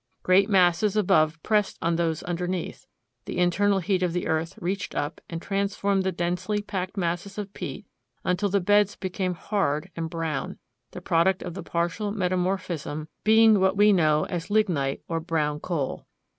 Great masses above pressed on those underneath; the internal heat of the earth reached up and transformed the densely packed masses of peat until the beds became hard and brown, the product of the partial metamorphism being what we know as lignite, or brown coal.